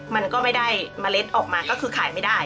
มันก็ไม่ได้เมล็ดออกมาก็คือขายไม่ได้